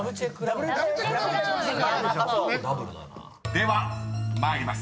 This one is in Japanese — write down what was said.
［では参ります］